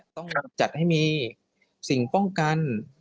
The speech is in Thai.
ต้องจัดให้มีสิ่งป้องกัน